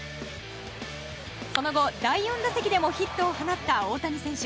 その後、第４打席でもヒットを放った大谷選手。